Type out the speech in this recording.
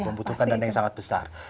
membutuhkan dana yang sangat besar